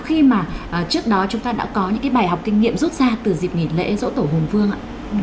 khi mà trước đó chúng ta đã có những cái bài học kinh nghiệm rút ra từ dịp nghỉ lễ dỗ tổ hùng vương ạ